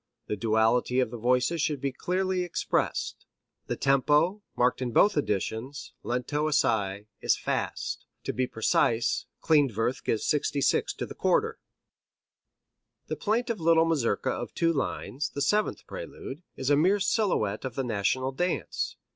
The duality of the voices should be clearly expressed. The tempo, marked in both editions, lento assai, is fast. To be precise, Klindworth gives 66 to the quarter. The plaintive little mazurka of two lines, the seventh prelude, is a mere silhouette of the national dance.